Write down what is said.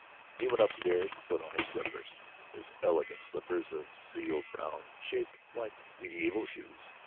He went upstairs to put on his slippers his elegant slippers of seal brown, shaped like medieval shoes.